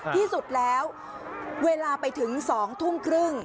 ที่สุดแล้วเวลาไปถึง๒ทุ่มครึ่ง